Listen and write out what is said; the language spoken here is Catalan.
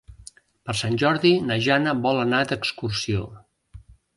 Per Sant Jordi na Jana vol anar d'excursió.